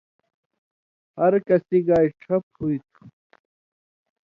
ہر کسی گائ ڇھپ ہُوئ تُھو،